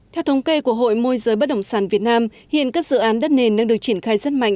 theo thống kê của hội môi giới bất động sản việt nam hiện các dự án đất nền đang được triển khai rất mạnh